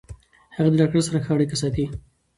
هغه د ډاکټر سره ښه اړیکه ساتي.